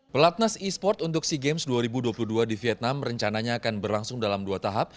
pelatnas e sport untuk sea games dua ribu dua puluh dua di vietnam rencananya akan berlangsung dalam dua tahap